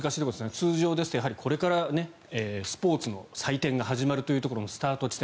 通常ですと、これからスポーツの祭典が始まるというところのスタート地点。